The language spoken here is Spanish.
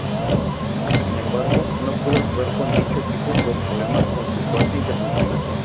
Sin embargo, no pudo actuar con dicho equipo por problemas con su pase internacional.